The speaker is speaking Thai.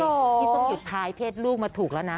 นี่ต้องหยุดท้ายเพศลูกมาถูกแล้วนะ